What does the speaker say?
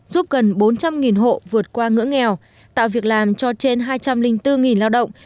giúp gần bốn trăm linh hộ vượt qua ngưỡng nghèo tạo việc làm cho trên hai trăm linh bốn lao động